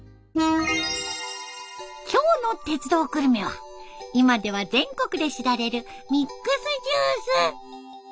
今日の「鉄道グルメ」は今では全国で知られるミックスジュース。